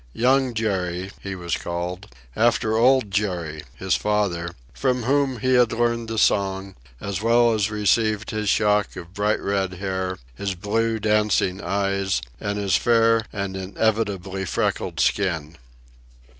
"Young" Jerry he was called, after "Old" Jerry, his father, from whom he had learned the song, as well as received his shock of bright red hair, his blue, dancing eyes, and his fair and inevitably freckled skin.